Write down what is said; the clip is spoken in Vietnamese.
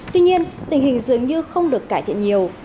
tuy nhiên tình hình dường như không được cải thiện nhiều